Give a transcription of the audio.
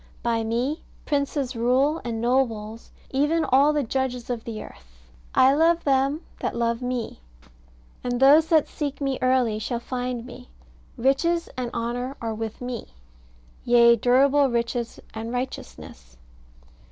By me princes rule, and nobles, even all the judges of the earth. I love them that love me; and those that seek me early shall find me. Riches and honour are with me; yea, durable riches and righteousness."